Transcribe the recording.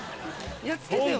やっつけてよ。